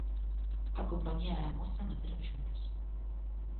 A compañía e a mostra naceron xuntas.